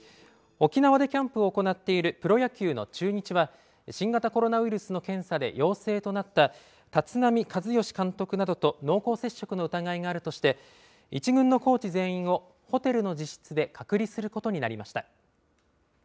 沖縄でキャンプを行っているプロ野球の中日は、新型コロナウイルスの検査で陽性となった立浪和義監督などと、濃厚接触の疑いがあるとして、１軍のコーチ全員をホテルの自室で隔離することになりました。